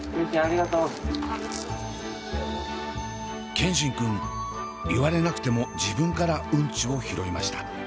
健新くん言われなくても自分からうんちを拾いました。